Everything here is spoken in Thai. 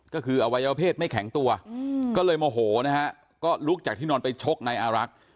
ก็คืออวัยวเพศไม่แข็งตัวก็เลยโมโหนะฮะก็ลุกจากที่นอนไปชกนายอารักษ์